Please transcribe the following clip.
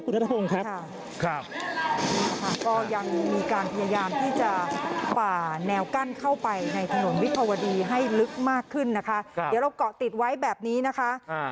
ครับก็ยังมีการพยายามที่จะป่าแนวกั้นเข้าไปในถนนวิภวดีให้ลึกมากขึ้นนะคะเดี๋ยวเราก็ติดไว้แบบนี้นะคะ